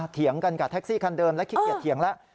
เถียงกันกับแท็กซี่คันเดิมและขี้เกียจเถียงแล้ว